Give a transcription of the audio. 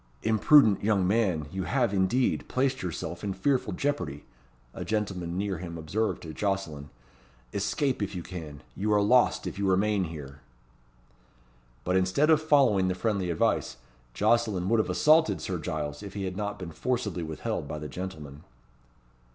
"Imprudent young man, you have, indeed, placed yourself in fearful jeopardy," a gentleman near him observed to Jocelyn. "Escape, if you can. You are lost, if you remain here." But instead of following the friendly advice, Jocelyn would have assaulted Sir Giles, if he had not been forcibly withheld by the gentleman.